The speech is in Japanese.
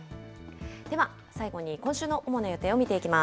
では最後に今週の主な予定を見ていきます。